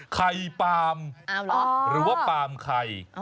ไข่ปำอ๋อหรือว่าปามไข่